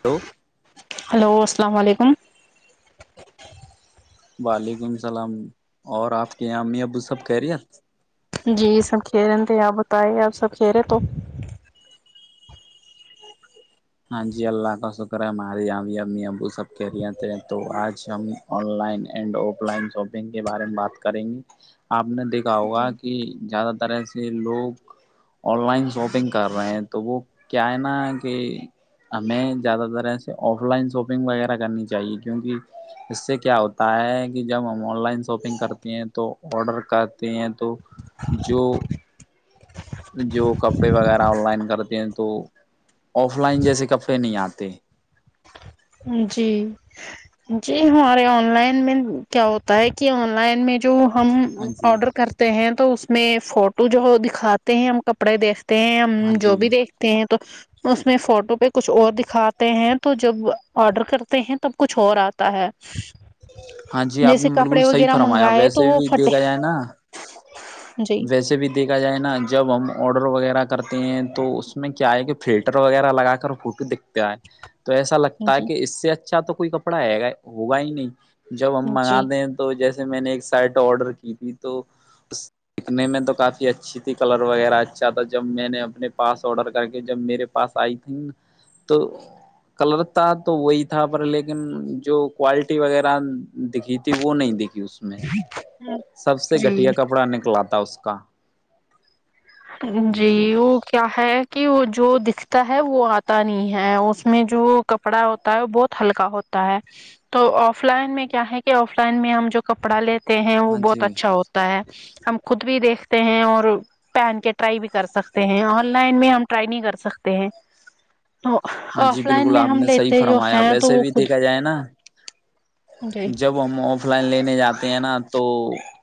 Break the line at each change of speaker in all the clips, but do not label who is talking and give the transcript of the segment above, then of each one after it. hello
hello السلام علیکم
وعلیکم السلام اور آپ کے یہاں ا م ابوسب کہریت
جی سب کھی رہے تھے آپ بتائی آپ سب کھیرے تو
ہاں جی اللہ کا شکر ہے ہماری اب امی ابو سب کہہریے تھے تو آج ہم online and offline shopping کے بارے میں بات کریں گی آپ نے دیکھ ہوا کہ زیادہ تر ای یہ لوگ آن لائن شاپنگ کر رہے ہیں تو وہ کیا ہے نا کہ ہمیں زیادہ تر ایسے آف لائن شاپنگ وغیرہ کرنی چاہیے کیونکہ اس سے کیا ہوتا ہے کہ جب ہم آن لائن شاپنگ کرتے ہیں تو آڈر کرتے ہیں تو جو جو کپڑے وغیرہ آن لائن کرتے ہیں تو آف لائن جیسے کپڑے نہیں آتے
جی جی ہمارے آن لائن میں کیا ہوتا ہے کہ آن لائن میں جو ہم
ہاں جی
آڈر کرتے ہیں تو اس میں فوٹو جو دکھاتے ہیں ہم کپڑے دیکھ ت
ہاں جی
جو بھی دیکھ ہیں تو اس میں فوٹو پہ کچھ اور دکھاتے ہیں تو جب آڈر کرتے ہیں تب کچھ اور آتا ہے
ہاں جی آپ
جیسے
نے بالکل
کپڑے
صحیح
وغیرہ
فرمایا
منگائے تو
ویسے
وہ
بھی
پھٹے
دیکھا جائے نا
جی
ویسے بھی تو دیکھا جائے نا جب ہم آڈر وغیرہ کرتے ہیں تو اس میں کیا ہے کہ فلٹر وغیرہ لگا کر فوٹو دیکھ کیا ہے تو ایسا لگتا ہے
جی
کہ اس سے اچھا تو کوئی کپڑا ہے گا ہوگا ہی نہیں جب ہم منگا
جی
دیں تو جیسے میں نے ایک سائٹ آڈر کی تھی تو دیکھنے میں تو کافی اچھی تھی کلر وغیرہ اچھا تھا جب میں نے اپنے پاس آڈر کر کے جب میرے پاس آئی تیںا تو کلر تھا تو وہی تھا پر لیکن جو کوالٹی وغیرہ دکھی تھی وہ نہیں دکھی اس میں سب سے
جی
گھٹیا کپڑا نکلا تھا اس کا
جی وہ کیا ہے کہ وہ جو دکھتا ہے وہ آتا نہیں ہے اس میں جو کپڑا ہوتا ہے وہ بہت ہلکا ہوتا ہے تو آف لائن میں کیا ہے کہ آف لائن میں ہم جو کپڑا لیتے ہیں وہ
ہاں
بہت
جی
اچھا ہوتا ہے ہم خود بھی دیکھتے ہیں اور پہن کے ٹرائی بھی کر سکتے ہیں آن لائن میں ہم ٹرائی نہیں کر سکتے ہیں
ہاں جی
آف لائن
بالکل
میں ہم لیتے جو ہیں تو وہ خود
چائنا
جی
جب ہم آف لائن لینے جاتے ہیں نا تو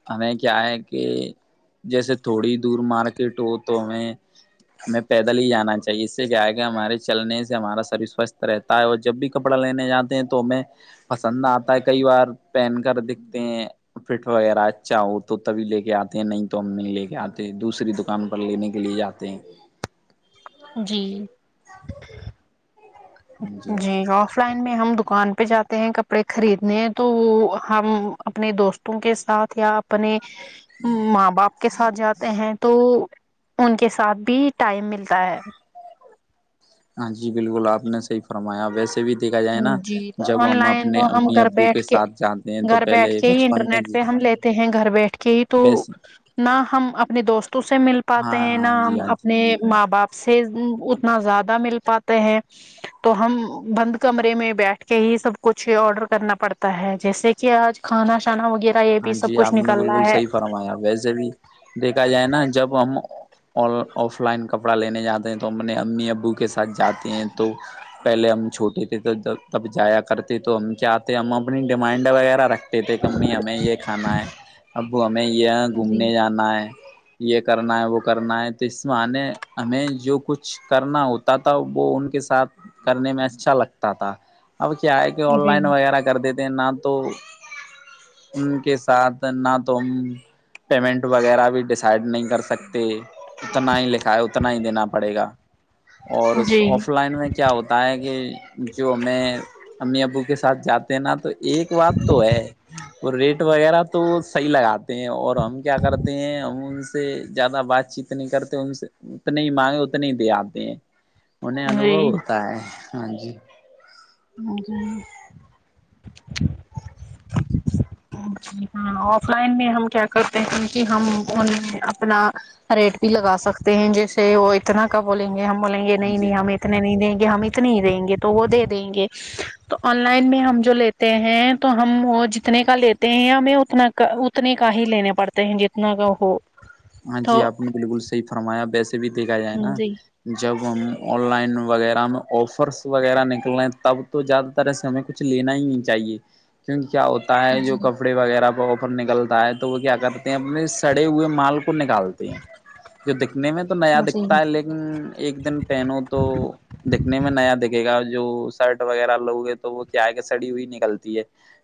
ہمیں کیا ہے کہ جیسے تھوڑی دور مارکیٹ ہو تو ہمیں ہمیں پیدل ہی جانا چاہیے اس سے کیا ہے گ ہمارے چلنے سے سے ہمارا شریر سوستھ رہتا ہے اور جب بھی کپڑا لینے جاتے ہیں تو ہم پسند آتا ہے کئی بار پہن کر دکھتے ہیں پٹ وغیرہ اچھا ہو تو تبھی لے کے آتے ہیں نہیں تو ہم نہیں لے کے آتے دوسری د دکان پر لینے کے لیے جاتے ہیں
جی جی گ آف لائن میں ہم دکان پہ جاتے ہیں کپڑے خریدنے تو وہ ہم اپنے دوست وں کے ساتھ یا اپنے ماں باپ کے ساتھ جاتے ہیں تو ان کے ساتھ بھی ٹائم ملتا ہے
ہاں جی بالکل آپ نے صحی فرمایا ویسے بھی دیکھا جائے نا
جی
جب
آن
ہم
لائن
اپنے
تو ہم
امی
گھر
ابو کے
بیٹھ
ساتھ جاتے ہیں تو
گھر بیٹھ
پہلے
کے ہی
بچپن میں
انٹرنیٹ پہ ہم لیتے ہیں گھر بیٹھ کے ہی تو
بس
نہ ہم اپنے دوستوں سے مل
ہاں
پاتے ہیں نہ
ہاں جی
ہم
ہاں
اپ
جی
اپنے ماں باپ سے اتنا زیادہ مل پاتے ہیں تو ہم بند کمرے میں بیٹھ کے ہی سب کچھ آرڈر کرنا پڑتا ہے جیسے کہ آج کھانا شانا وغیرہ یہ
ہاں
بھی سب
جی آپ
کچھ
نے
نکل
بالکل
رہا ہے
صحیح فرمایا ویسے بھی دیکھا جائے نا جب ہم اور آف لائن کپڑا لینے جاتے ہیں تو اپنے امی ابو کے ساتھ جاتے ہیں تو پہلے ہم چھوٹی تھھی تو جب جایا کرتے تو ہم کیا آتے ہم اپنی ڈیمانڈ وغیرہ رکھ پی پے کمیمی ہمیں یہ کھانا ہے اب ہمیں یہ
جی
گھومنے جانا ہے یہ کرنا ہے وہ کرنا ہے تو اس معنی ہمیں جو کچھ کرنا ہوتا تھا وہ ان کے ساتھ کرنے میں اچھا لگتا تھا اب کیا ہے کہ آن
جی
لائن وغیرہ کر دیتے ہیں نہ تو ان کے ساتھ نہ تو پیمنٹ وغیرہ بھی ڈیسائڈ نہیں کر سکتے اتنا ہی لکھا ہے اتنا ہی دینا پڑے گا اور آف لائن میں کیا ہوتا ہے کہ جو میں امی ابو کے ساتھ جات نا تو ایک بات تو ہے وہ ریٹ وغیرہ تو صحیح لگاتے ہیں اور ہم کیا کرتے ہیں ہم ان سے زیادہ بات چیت اتنی کرتے ان سے اتنے ہی مانگے اتنے ہی دے آتے ہیں انہیں انوبو
جی جی
ہوتا ہے ہاں جی
ہاں جی ہ آف لائن میں ہم کیا کرتے ہیں کہ ہم ان اپنا ریٹ بھی لگا سکتے ہیں جیسے وہ اتنا کا بولیں گے ہم بولیں گے
ہاں
نہیں نہیں
جی
ہم اتنے نہیں دیں گے ہم اتنی ہی دیں گے تو وہ دے دیں گے تو آن لائن میں ہم جو لیتے ہیں تو ہم وہ جتنے کا لیتے ہیں ہمیں اتنا کا اتنے کا ہی لینے پڑتے ہیں جتنا کا ہو
ہاں جی
تو
آپ نے بالکل صحیح فرمایا ویسے بھی دیکھا جائے
جی
نا
جی
جب ہم آن لائن وغیرہ میں آفرس وغیرہ نکل رہے ہیں تب تو زیادہ طرح سے ہمیں کچھ لینا ہی نہیں چاہیے کیونکہ کیا ہوتا ہے جو کپڑے وغیرہ پر اپر نکلتا ہے تو وہ کیا کرتے ہیں اپنے سڑے ہوئے مال کو نکالتے ہے جو دکھنے میں تو نیا دکھتا ہے لیکن ایک دن پہنو تو دکھنے میں نیا دکھے گا جو شرٹ وغیرہ لو گے تو وہ کیا ہے کہ سڑی ہوئی نکلتی ہے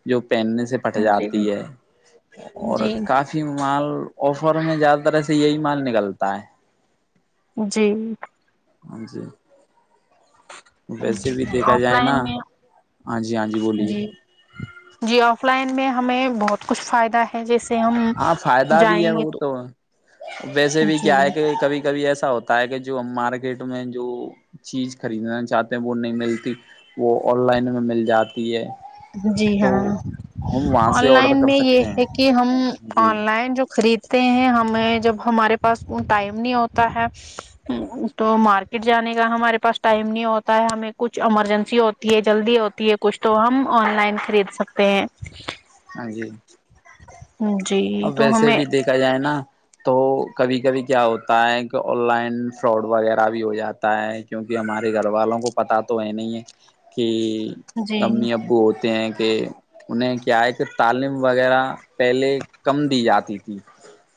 جو پہننے سے پھٹ
جی
جاتی ہے اور
جی
کافی مال آفر میں زیادہ طرح سے یہی مال نکلتا ہے
جی
ہاں جی ویسے بھی دیکھا
آف
جائے نا
لائن میں
ہاں جی ہاں جی بولیے
جی آف لائن میں ہمیں بہت کچھ فائدہ ہے جیسے ہم
ہاں فائدہ بھی
جائیں
ہے
گے
وہ
تو
ویسے بھی
جی
کیا ہے کہ کبھی کبھی ایسا ہوتا ہے کہ جو ہم مارکیٹ میں جو چیز خریدنا چاہتے ہیں وہ نہیں ملتی وہ آن لائن میں مل جاتی ہے
جی
تو
ہاں
ہم وہاں
آن
سے آڈر
لائن
کر
میں یہ
سکتے
ہے
ہیں
کہ ہم آن
جی
لائن جو خرید تے ہیں ہمیں جب ہمارے پاس ٹائم نہیں ہوتا ہے تو مارکیٹ جانے کا ہمارے پاس ٹائم نہیں ہوتا ہے ہمیں کچھ ایمرجنسی ہو ہوتی ہے جلدی ہوتی ہے کچھ تو ہم آن لائن خرید سکتے ہیں
ہاں جی
[inaudible] جی
اب
تو
ویسے
ہمیں
بھی دیکھا جائے نا تو کبھی کبھی کیا ہوتا ہے کہ آن لائن فراڈ وغیرہ بھی ہو جاتا ہے کیونکہ ہمارے گھر والوں کو پتا تو ہے نہیں ہے کہ
جی
امی ابو ہوتے ہیں کہ انہیں کیا ہے کہ تعلیم وغیرہ پہلے کم دی جاتی تھی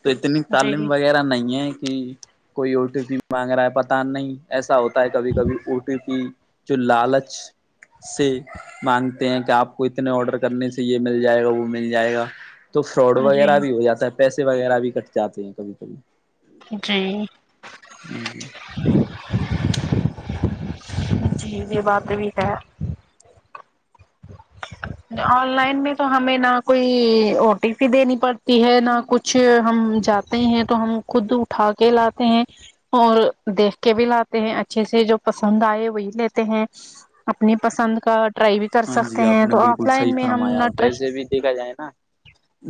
تو اتنی
جی
تعلیم وغیرہ نہیں ہے کہ کوئی او ٹی پی مانگ رہا ہے پتا نہیں ایسا ہوتا ہے کبھی کبھی او ٹی پی جو لالچ سے مانگتے ہیں کہ آپ کو اتنے آڈر کرنے سے یہ مل جائے گا وہ مل جائے گا تو فرڈ
جی
وغیرہ بھی ہو جاتا ہے پیسے وغیرہ بھی کٹ جاتے ہیں کبھی کبھی
جی
[inaudible]
جی یہ بات بھی ہے آن لائن میں تو ہمیں نہ کوئی او ٹی پی دینی پڑتی ہے نہ کچھ کچھ ہم جاتے ہیں تو ہم خود اٹھا کے لاتے ہیں اور دیکھ کے بھی لاتے ہیں اچھے سے جو پسند آئے وہی لیتے ہیں اپنی پسند کا ٹرائی بھی کر
ہاں
سکتے
جی آپ
ہیں
نے
تو
بالکل
آف
صحیح
لائن میں ہم
فرمایا
نہ
اور ویسے
ٹرائی
بھی دیکھا جائے نا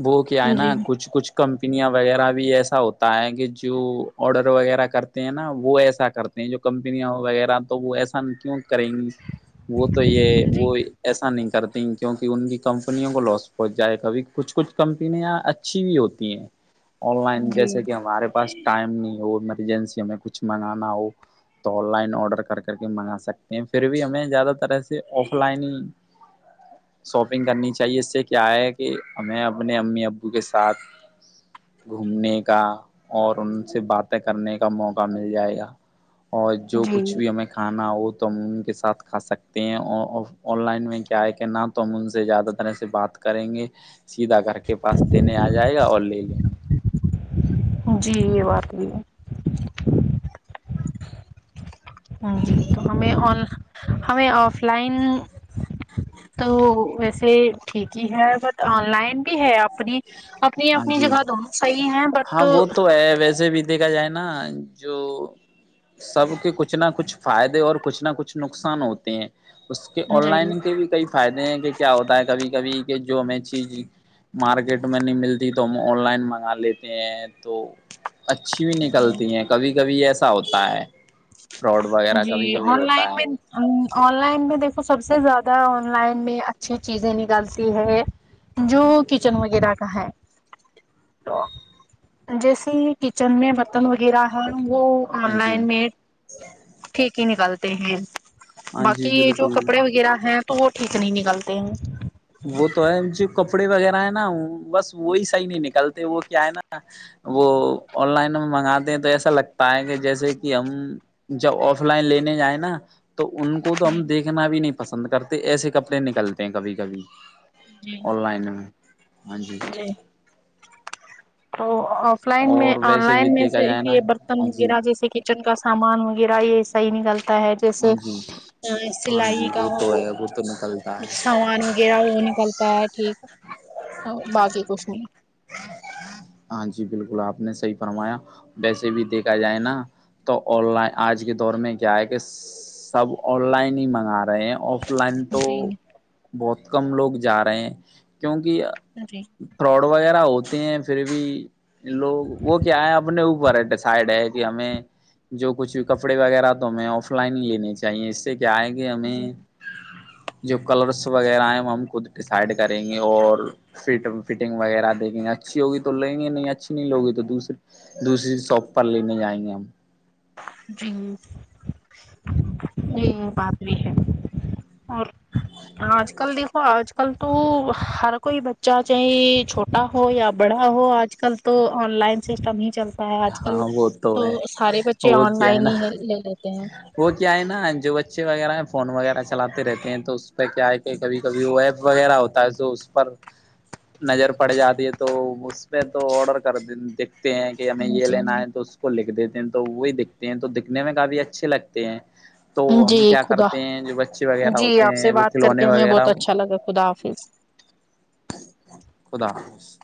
وہ کیا ہے نا
جی
کچھ کچھ کمپنیاں وغیرہ بھی ایسا ہوتا ہے کہ جو آڈر وغیرہ کرتے ہیں نا وہ ایسا کرتے جو کمپنیاں ہو وغیرہ تو وہ ایسا کیوں کریں گی وہ تو یہ
جی
وہ ایسا نہیں کرتی کیونکہ ان کی کمپنیوں کو لاس پہنچ جائے کبھی کچھ کچھ کمپنیاں اچھی بھی ہوتی ہیں
[inaudible]
آن لائن
جی
جیسے کہ ہمارے پاس ٹائم نہیں ہو ایمرجنسی ہمیں کچھ منگانا ہو تو آن لائن آرڈر کر کر کے منگا سکتے ہیں پھر بھی ہمیں زیادہ تر ایسے آف لائن ہی
[unintelligible]
شاپنگ کرنی چاہیے اس سے کیا ہے کہ ہمیں اپنے امی ابو کے ساتھ گھومنے کا اور ان سے باتیں کرنے کا موقع مل جائے گا اور جو
جی
کچھ بھی ہمیں کھانا ہو تو ہم ان کے ساتھ کھا سکتے ہیں اور آن لائن میں کیا ہے کہ نہ تو ہم ان سے زیادہ ترح سے بات کریں گے سیدھا کر کے پاس دینے آ جائے گا اور لے لیں گے
جی یہ بات ہو ہے جی تو ہمیں ہمیں آف لائن تو ویسے ٹھیک کی ہے بٹ آن لائن بھی ہے اپنی اپنی
ہاں
اپنی
جی
جگہ دونوں صحیح ہیں بٹ
ہاں وہ تو ویسے بھی دیکھا جائے نا جو سب کے کچھ نہ کچھ فائدے اور کچھ نہ کچھ نقصان ہوتے ہیں اس کے آن لائن کے بھی کئی فائدے ہیں کہ کیا ہوتا ہے کبھی کبھی کہ جو ہمیں چیز مارکیٹ میں نہیں ملتی تو ہم آن لائن منگا لیتے ہیں تو اچھی بھی
جی
نکلتی ہیں کبھی کبھی ایسا ہوتا ہے فراڈ وغیرہ
جی
کبھی کبھی
آن
ہوتا
لائن
ہے
میں آن لائن میں دیکھو سب سے زیادہ آن لائن میں اچھی چیزیں نکالتی ہے جو کچن وغیرہ کا ہے تو جیسے کچن میں مٹن وغیرہ ہے وہ
ہاں
آن
جی
لائن مڈ ٹھیک ہی نکلتے ہیں
ہاں
باقی
جی
یہ جو
بالکل
کپڑے وغیرہ ہیں تو وہ ٹھیک نہیں نکلتے ہیں [inaudible]
وہ تو ہے جو کپڑے وغیرہ ہے نا بس وہی صحیح نہیں نکلتے وہ کیا ہے نا وہ آن لائن منگاتے ہیں تو ایسا لگتا ہے کہ جیسے کہ ہم جب آف لائن لینے جیں نا تو ان کو تو ہم دیکھنا بھی نہیں پسند کرتے ایسے کپڑے نکلتے ہیں کبھی کبھی
جی جی
آن لائن ہاں جی
تو آف لائن میں
اور
آن
ویسے بھی
لائن میں
دیکھا
سے
جائے نا
یہ برتن
ہاں جی
وغیرہ جیسے کہ کچن کا سامان وغیرہ یہ ایسا ہی نکلتا ہے
ہاں
جیسے
جی ہاں
سلائی
جی
کا
وہ
ہو
تو ہے وہ تو نکلتا ہے
سامان وغیرہ وہ نکلتا ہے ٹھیک باقی کھ [inaudible]
ہاں جی بالکل آپ نے صحیح فرمایا ویسے بھی دیکھا جائے نا تو آن لائن آج کے دور میں کیا ہے کہ سب آن لائن ہی منگا رہے ہیں آف لائن تو
جی
بہت کم لوگ جا رہے ہیں کیونکہ
سری
فراڈ وغیرہ ہوتے ہیں پھر بھی لوگ وہ کیا ہے اپنے اوپر ہے سائڈ ہے کہ ہمیں جو کچھ بھی کپڑے وغیرہ تو ہمیں آف لائن ہی لینے چاہیے اس سے کیا آئے گے ہمیں
[inaudible]
جو کلرس وغیرہ ہیں وہ ہم خود ڈیسائڈ کریں گے اور فٹ فٹنگ وغیرہ دیکھیں گے اچھی ہوگی تو لگیں گے نہیں اچھی نہیں لوگی تو دوسری دوسری شوپ پر لینے جائیں گے ہم
جی جی بات بھی ہے اور ہاں آج کل دیک آج کل تو ہر کوئی بچہ چاہے چھوٹا ہو یا بڑا ہو آج کل تو آن لائن سسٹم ہی چلتا آج کل
ہاں وہ
تو
ہے
سارے بچے
وہ
آن
کیا
لائن
نا
ہی ہے لے لیتے ہیں
وہ کیا ہے نا جو بچے وغیرہ ہیں فون وغیرہ چلاتے رہتے ہیں تو اس پہ کیا ہے کبھی کبھی وہ ویب وغیرہ ہوتا ہے تو اس پر نظر پڑ جاتی ہے تو اس پہ تو آڈر کر دیکھتے ہیں کہ ہمیں یہ لینا ہے تو اس کو لکھ دیتے ہیں تو وہی دکھتے ہیں تو دکھنے میں کافی اچھے لگتے ہیں تو ہم
جی
کیا
خدا
کرتے ہیں جو بچے وغیرہ
جی
ہوتے
آپ سے
ہیں وہ
بات کر
کھلونے
کے ہمیں
وغیرہ
بہت اچھا لگا خدا حافظ
خدا حافظ